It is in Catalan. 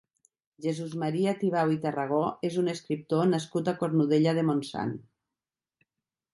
Jesús Maria Tibau i Tarragó és un escriptor nascut a Cornudella de Montsant.